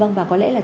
vâng và có lẽ là